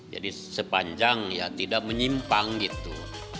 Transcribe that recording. jadi sepanjang ya tidak menyimpang gitu